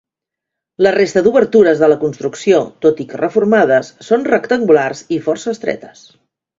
La resta d'obertures de la construcció, tot i que reformades, són rectangulars i força estretes.